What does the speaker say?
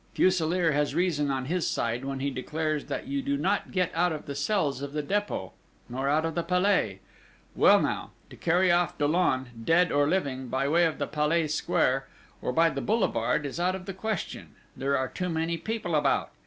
Fuselier has reason on his side when he declares that you do not get out of the cells of the Dépôt, nor out of the Palais!... Well, now to carry off Dollon, dead or living, by way of the Palais Square, or by the boulevard, is out of the question: there are too many people about!...